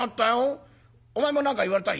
お前も何か言われた？」。